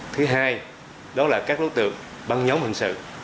thứ hai đó là các đối tượng băng nhóm hình sự